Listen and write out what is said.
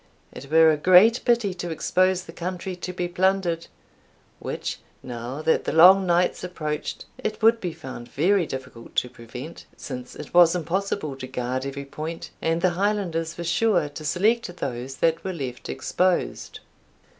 It were a great pity to expose the country to be plundered, which, now that the long nights approached, it would be found very difficult to prevent, since it was impossible to guard every point, and the Highlanders were sure to select those that were left exposed."